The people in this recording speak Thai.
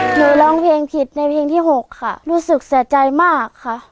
หนูร้องเพลงผิดในเพลงที่๖ค่ะรู้สึกเสียใจมากค่ะ